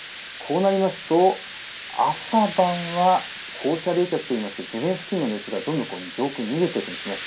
こうなりますと朝晩は放射冷却といいまして地面付近の熱がどんどん上空に逃げていくんです。